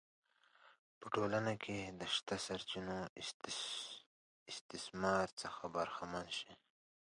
په ټولنه کې د شته سرچینو استثمار څخه برخمن شي.